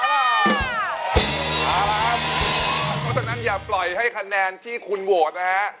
เพราะฉะนั้นอย่าปล่อยให้คะแนนที่คุณโหวตนะฮะ